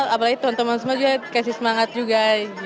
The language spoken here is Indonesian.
apalagi teman teman semua juga kasih semangat juga